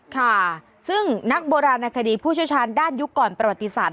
ค่ะซึ่งนักโบราณคดีผู้เชี่ยวชาญด้านยุคก่อนประวัติศาสต